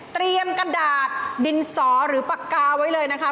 กระดาษดินสอหรือปากกาไว้เลยนะคะ